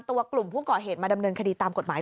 ตัวกลุ่มผู้ก่อเหตุมาดำเนินคดีตามกฎหมาย